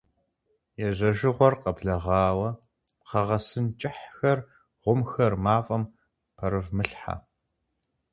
Ежьэжыгъуэр къэблэгъауэ пхъэ гъэсын кӀыхьхэр, гъумхэр мафӀэм пэрывмылъхьэ.